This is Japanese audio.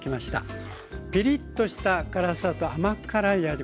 ピリッとした辛さと甘辛い味